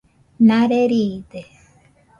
Nare riide